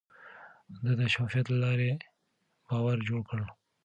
ده د شفافيت له لارې باور جوړ کړ.